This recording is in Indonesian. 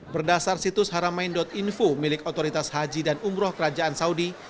berdasar situs haramain info milik otoritas haji dan umroh kerajaan saudi